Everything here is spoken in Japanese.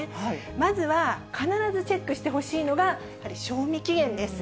まずは、必ずチェックしてほしいのが、やはり賞味期限です。